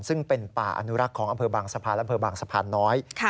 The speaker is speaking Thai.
ซึ่งเป็นป่าอนุรักษ์ของอำเภอบางสะพานอำเภอบางสะพานน้อย